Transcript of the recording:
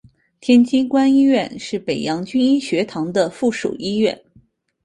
天津官医院是北洋军医学堂的附属医院。